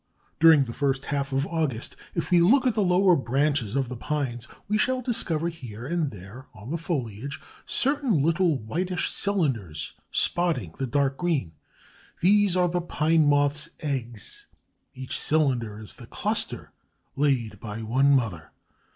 During the first half of August, if we look at the lower branches of the pines, we shall discover, here and there on the foliage, certain little whitish cylinders spotting the dark green. These are the Pine Moth's eggs; each cylinder is the cluster laid by one mother.